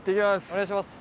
お願いします。